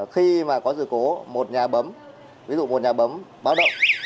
khi có dự cố một nhà bấm ví dụ một nhà bấm báo động